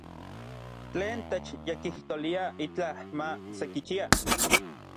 Tlen techyekijtolia itlaj ma sekichia.